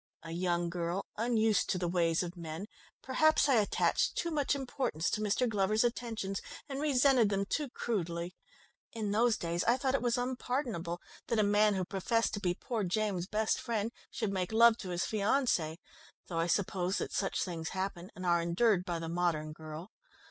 A young girl, unused to the ways of men, perhaps I attached too much importance to Mr. Glover's attentions, and resented them too crudely. In those days I thought it was unpardonable that a man who professed to be poor James's best friend, should make love to his fiancée, though I suppose that such things happen, and are endured by the modern girl.